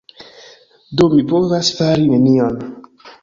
Do mi povas fari nenion!